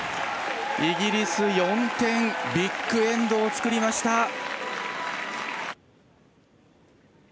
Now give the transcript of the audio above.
イギリス４点ビッグエンドを作りました。